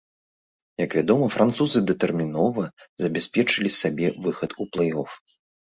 Як вядома, французы датэрмінова забяспечылі сабе выхад у плэй-оф.